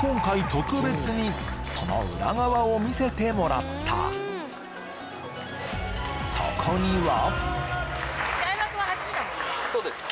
今回特別にその裏側を見せてもらったそこには開幕は８時だもんね